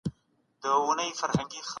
موږ به ژر پوه سو.